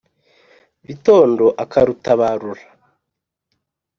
bitondo akarutabarura.